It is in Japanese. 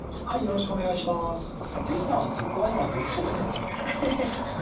リさんそこは今、どこですか？